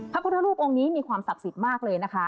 พระพุทธรูปองค์นี้มีความศักดิ์สิทธิ์มากเลยนะคะ